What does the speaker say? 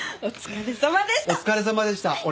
お疲れさまでした。